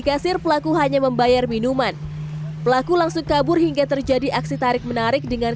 kasir pelaku hanya membayar minuman pelaku langsung kabur hingga terjadi aksi tarik menarik dengan